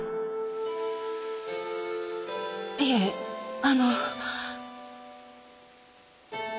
いえあの。